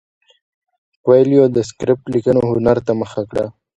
کویلیو د سکرېپټ لیکلو هنر ته مخه کړه.